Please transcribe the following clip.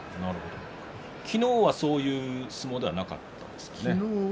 昨日は、そういう相撲ではなかったですよね。